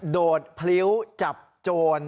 โดดพลิ้วจับโจร